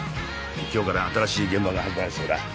今日から新しい現場が始まるそうだ。